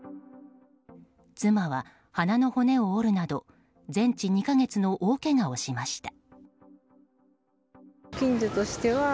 妻は鼻の骨を折るなど全治２か月の大けがをしました。